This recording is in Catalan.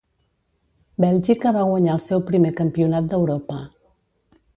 Bèlgica va guanyar el seu primer campionat d'Europa.